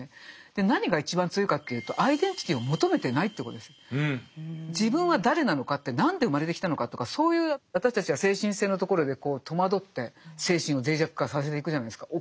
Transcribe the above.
で何が一番強いかというと自分は誰なのかって何で生まれてきたのかとかそういう私たちは精神性のところで戸惑って精神を脆弱化させていくじゃないですか。